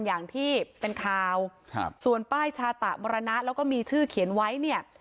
อย่างที่เป็นข่าวครับส่วนป้ายชาตะมรณะแล้วก็มีชื่อเขียนไว้เนี่ย